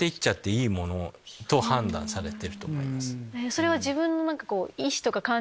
それは自分の。